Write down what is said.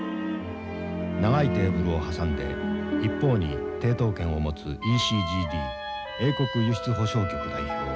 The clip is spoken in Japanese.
長いテーブルを挟んで一方に抵当権を持つＥＣＧＤ英国輸出保証局代表